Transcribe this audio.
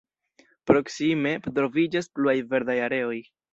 Proksime troviĝas pluaj verdaj areoj.